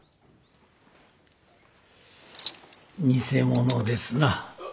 偽物ですな。